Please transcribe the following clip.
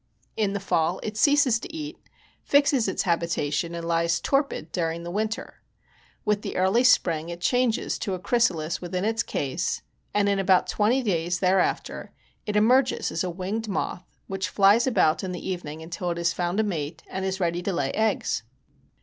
In the fall it ceases to eat, fixes its habitation, and lies torpid during the winter. With the early spring it changes to a chrysalis within its case, and in about twenty days thereafter it emerges as a winged moth, which flies about in the evening until it has found a mate and is ready to lay eggs.